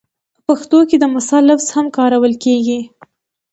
په پښتو کې د مثال لفظ هم کارول کېږي